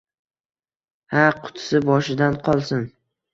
— Ha... qutisi boshidan qolsin!